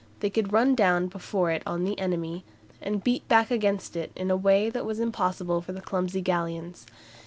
They could run down before it on the enemy, and beat back against it in a way that was impossible for the clumsy galleons.